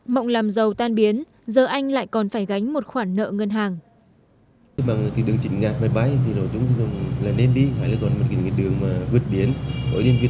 mộng làm giàu tan biến giờ anh lại còn phải gánh một khoản nợ ngân hàng